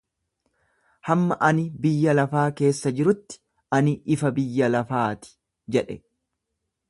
Hamma ani biyya lafaa keessa jirutti, ani ifa biyya lafaa ti jedhe.